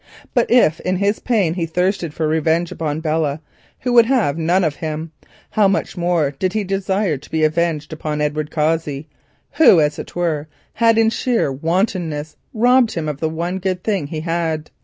But if in his pain he thirsted for revenge upon Belle, who would have none of him, how much more did he desire to be avenged upon Edward Cossey, who, as it were, had in sheer wantonness robbed him of the one good thing he had?